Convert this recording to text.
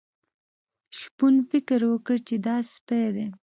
شپون فکر وکړ چې دا سپی دی.